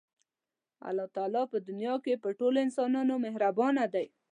الله تعالی په دنیا کې په ټولو انسانانو مهربانه دی.